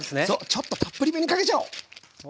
ちょっとたっぷりめにかけちゃおう。